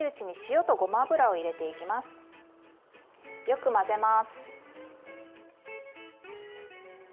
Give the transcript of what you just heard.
よく混ぜます。